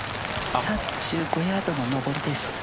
３５ヤードの上りです。